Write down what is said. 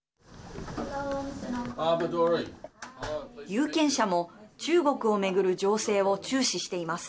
有権者も中国をめぐる情勢を注視しています。